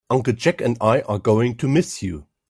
Uncle Jack and I are going to miss you.